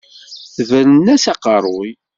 Tebren-as aqeṛṛuy.